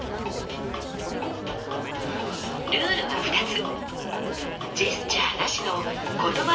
ルールは２つ。